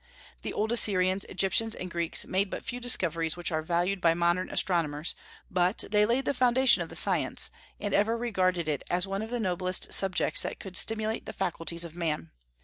The old Assyrians, Egyptians, and Greeks made but few discoveries which are valued by modern astronomers, but they laid the foundation of the science, and ever regarded it as one of the noblest subjects that could stimulate the faculties of man.